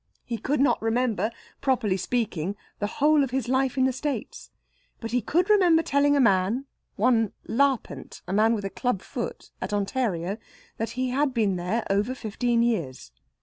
He could not remember, properly speaking, the whole of his life in the States, but he could remember telling a man one Larpent, a man with a club foot, at Ontario that he had been there over fifteen years.